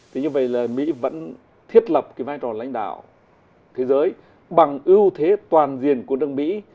thì như vậy là mỹ vẫn thiết lập cái vai trò lãnh đạo thế giới bằng ưu thế toàn diện của nước mỹ